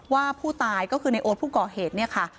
ว่าผู้ตายก็คือในโอ๊ตผู้ก่อเหตุเนี่ยค่ะ